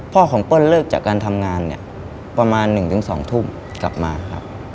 พ่อของเปิ้ลเลิกจากการทำงานเนี่ยประมาณ๑๒ทุ่มกลับมาครับ